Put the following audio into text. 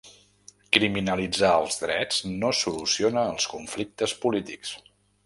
Criminalitzar els drets no soluciona els conflictes polítics.